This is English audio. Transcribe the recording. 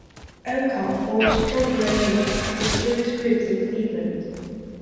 Oakar forged strong relationships with Jewish groups in Cleveland.